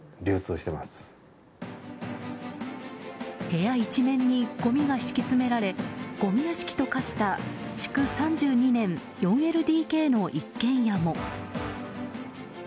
部屋一面にごみが敷き詰められごみ屋敷と化した築３２年４ＬＤＫの一軒家も。